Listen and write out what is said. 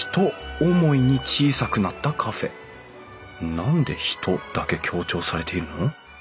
何で“ひと”だけ強調されているの？